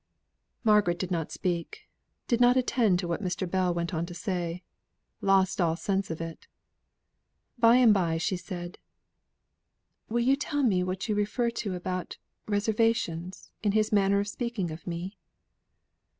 Margaret did not speak; did not attend to what Mr. Bell had to say; lost all sense of it. By and by she said: "Will you tell me what you refer to about 'reservations' in his manner of speaking to me?"